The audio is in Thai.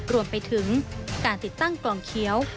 รวมไปถึงการติดตั้งกล่องเขียว